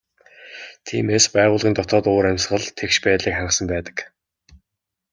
Тиймээс байгууллагын дотоод уур амьсгал тэгш байдлыг хангасан байдаг.